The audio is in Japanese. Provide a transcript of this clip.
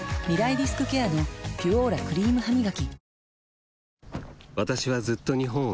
リスクケアの「ピュオーラ」クリームハミガキ